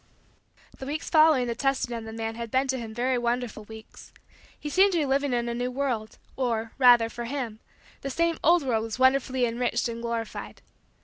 The weeks following the testing of the man had been to him very wonderful weeks. He seemed to be living in a new world, or, rather, for him, the same old world was wonderfully enriched and glorified.